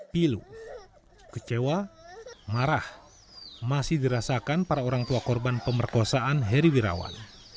pilu kecewa marah masih dirasakan para orang tua korban pemerkosaan heri wirawan